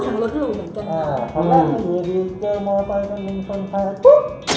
คำแรกที่มีดีเจอมาไปกันยังคนแพทย์